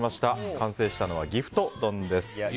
完成したのは岐阜ト丼です。